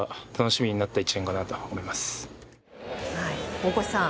大越さん